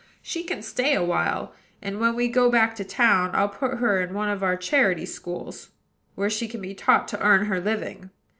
She can stay awhile; and, when we go back to town, I'll put her in one of our charity schools, where she can be taught to earn her living.